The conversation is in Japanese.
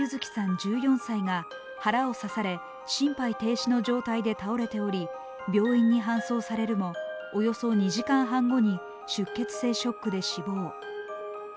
１４歳が腹を刺され心肺停止の状態で倒れており病院に搬送されるも、およそ２時間半後に出血性ショックで死亡。